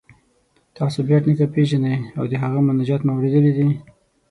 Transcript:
تاسو بېټ نیکه پيژنئ او د هغه مناجات مو اوریدلی دی؟